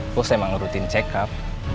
bos emang rutin cekap